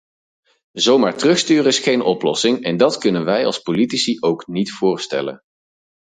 Zomaar terugsturen is geen oplossing, en dat kunnen wij als politici ook niet voorstellen.